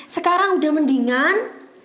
sekarang udah mendingan